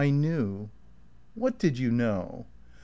I knew." "What did you know?"